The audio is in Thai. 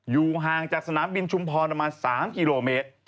อยู่ห่างจากสนามบินชุมพรประมาณ๓กิโลเมตร